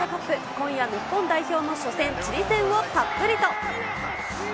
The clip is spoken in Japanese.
今夜、日本代表の初戦、チリ戦をたっぷりと。